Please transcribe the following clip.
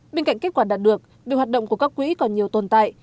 bên cạnh kết quả đạt được việc hoạt động của các quỹ còn nhiều tồn tại